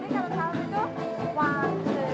jadi kalau salsa itu